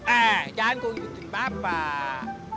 eh jangan kok ikutin bapak